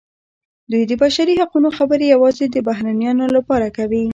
دوی د بشري حقونو خبرې یوازې د بهرنیانو لپاره کوي.